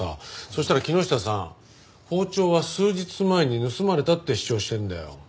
そしたら木下さん包丁は数日前に盗まれたって主張してるんだよ。